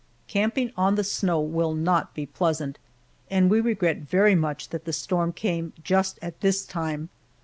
Camping on the snow will not be pleasant, and we regret very much that the storm came just at this time.